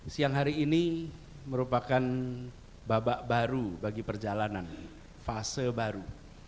siang hari ini merupakan babak baru bagi perjalanan fase baru